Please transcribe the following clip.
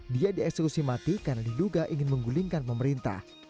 dia dieksekusi mati karena diduga ingin menggulingkan pemerintah